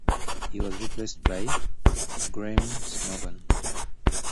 He was replaced by Graeme Smorgon.